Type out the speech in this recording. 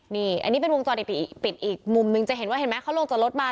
นี่อันนี้เป็นวงจรปิดอีกมุมมึงจะเห็นไหมเขาลงจากรถมา